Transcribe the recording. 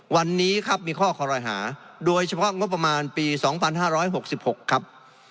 วันนี้ครับมีข้อคอรหาโดยเฉพาะงบประมาณปี๒๕๖๖ครับ